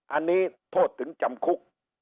อันนี้โทษถึงจำคุก